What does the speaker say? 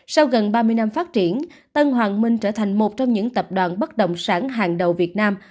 sau gần ba mươi năm phát triển tân hoàng minh trở thành một trong những tập đoàn bất động sản hàng đầu việt nam